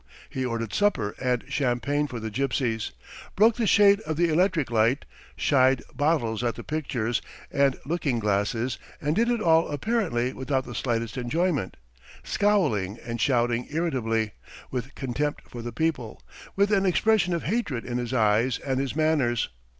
He ordered supper and champagne for the gypsies, broke the shade of the electric light, shied bottles at the pictures and looking glasses, and did it all apparently without the slightest enjoyment, scowling and shouting irritably, with contempt for the people, with an expression of hatred in his eyes and his manners.